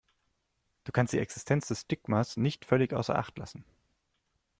Du kannst die Existenz des Stigmas nicht völlig außer Acht lassen.